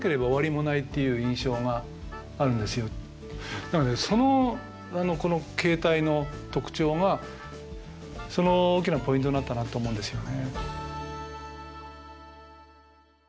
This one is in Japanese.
この動きにだからねこの形態の特徴がその大きなポイントになったなって思うんですよね。